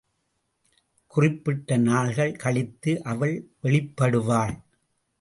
குறிப்பிட்ட நாள்கள் கழித்து அவள் வெளிப்படுவாள்.